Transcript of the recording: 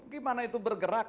gimana itu bergerak